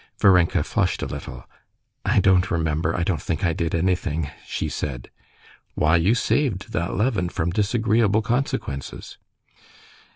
Varenka flushed a little. "I don't remember. I don't think I did anything," she said. "Why, you saved that Levin from disagreeable consequences."